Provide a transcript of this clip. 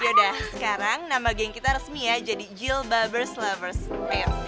yaudah sekarang nama geng kita resmi ya jadi jilbabers lovers ayo